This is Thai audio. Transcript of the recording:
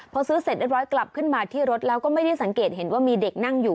พอซื้อเสร็จเรียบร้อยกลับขึ้นมาที่รถแล้วก็ไม่ได้สังเกตเห็นว่ามีเด็กนั่งอยู่